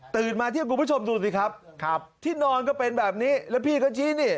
มาเที่ยวคุณผู้ชมดูสิครับที่นอนก็เป็นแบบนี้แล้วพี่เขาชี้นี่